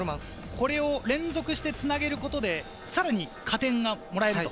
これを連続して繋げることでさらに加点がもらえると。